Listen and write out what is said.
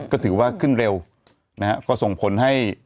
ก็ถือว่าขึ้นเร็วนะฮะก็ส่งผลให้